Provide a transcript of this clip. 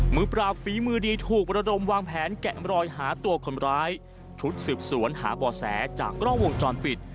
มือปราบฝีมือดีถูกระดมวางแผนแกะมรอยหาตัวคนร้ายชุดสืบสวนหาบ่อแสจากกล้องวงจรปิด